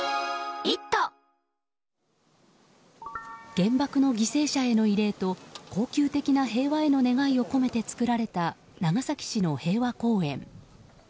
原爆の犠牲者への慰霊と恒久的な平和への願いを込めて作られた長崎市の平和公園。